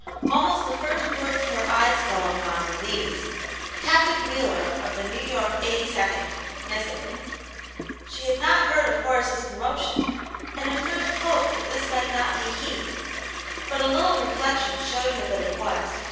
Almost the first words her eyes fell upon were these: —" Captain Wheeler of the New York 82nd, miss ing." She had not heard of Horace's promotion, and at first hoped this might not be he. But a little reflection showed her that it was.